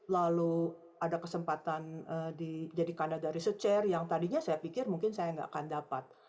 lalu ada kesempatan di jadi canada researcher yang tadinya saya pikir mungkin saya nggak akan dapat